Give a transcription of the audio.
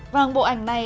vâng bộ ảnh này